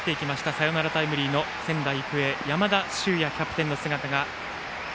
サヨナラタイムリーの仙台育英山田脩也キャプテンの姿。